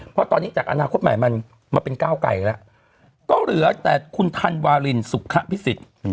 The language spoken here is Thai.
เพราะตอนนี้จากอนาคตใหม่มันมาเป็นก้าวไกลแล้วก็เหลือแต่คุณธันวาลินสุขภิษฎ